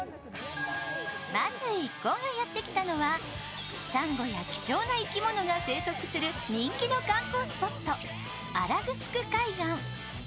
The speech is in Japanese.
まず一行がやってきたのはさんごや貴重な生き物が生息する人気の観光スポット新城海岸。